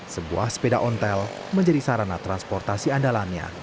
sebuah sepeda ontel menjadi sarana transportasi andalannya